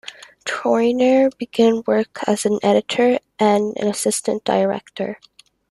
Tourneur began work as an editor and assistant director.